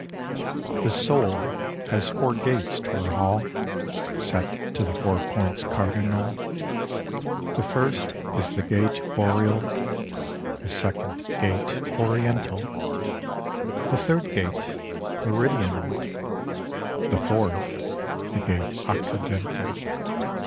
THE soul has four gates to her hall Set to the four points cardinal ; The first is the gate Boreal, The second gate Oriental, The third gate Meridional, The fourth, the gate Occidental.